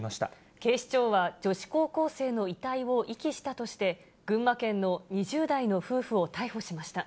警視庁は、女子高校生の遺体を遺棄したとして、群馬県の２０代の夫婦を逮捕しました。